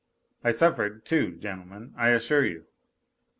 I suffered, too, gentlemen, I assure you.